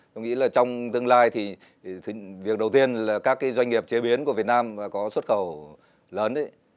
tôi nghĩ là trong tương lai thì việc đầu tiên là các doanh nghiệp chế biến của việt nam có xuất khẩu lớn ấy